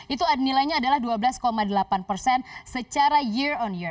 itu nilainya adalah dua belas delapan persen secara year on year